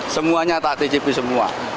semuanya atau dijipin semua